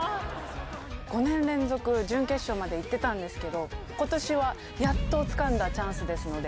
５年連続準決勝までいってたんですけど、ことしはやっとつかんだチャンスですので。